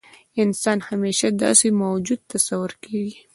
انسان همیشه داسې موجود تصور کېږي.